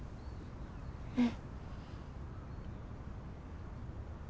うん。